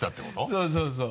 そうそうそう。